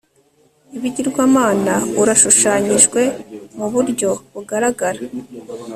ibigirwamana urashushanyijwe mu buryo bugaragara